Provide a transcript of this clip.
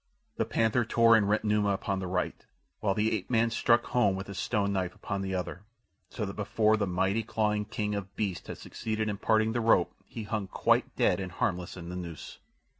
The panther tore and rent Numa upon the right, while the ape man struck home with his stone knife upon the other, so that before the mighty clawing of the king of beasts had succeeded in parting the rope he hung quite dead and harmless in the noose.